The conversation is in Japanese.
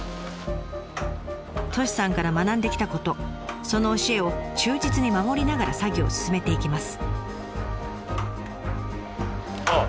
Ｔｏｓｈｉさんから学んできたことその教えを忠実に守りながら作業を進めていきます。